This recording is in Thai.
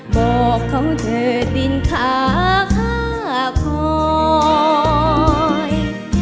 บอกเขาเถอะดินขาข้าคอย